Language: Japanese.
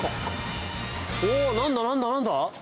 おお何だ何だ何だ？